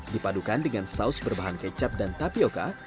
dipadukan dengan saus berbahan kecap dan tapioca